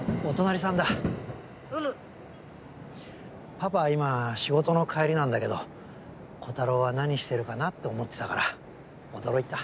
パパは今仕事の帰りなんだけどこたろうは何してるかな？って思ってたから驚いた。